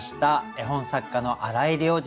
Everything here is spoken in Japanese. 絵本作家の荒井良二さんです。